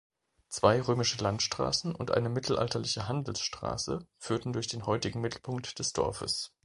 Zwei römische Landstraßen und eine mittelalterliche Handelsstraße führten durch den heutigen Mittelpunkt des Dorfes.